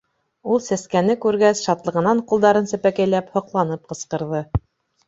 Ул Сәскәне күргәс, шатлығынан ҡулдарын сәпәкәйләп, һоҡланып ҡысҡырҙы.